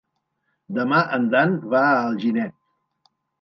Demà en Dan va a Alginet.